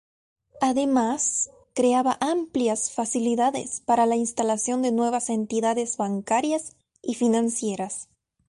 Además, creaba amplias facilidades para la instalación de nuevas entidades bancarias y financieras.